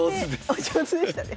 お上手でしたね。